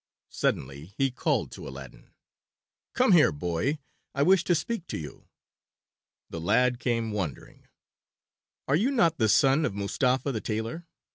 Suddenly he called to Aladdin, "Come here, boy; I wish to speak to you." The lad came, wondering. "Are you not the son of Mustapha the tailor?"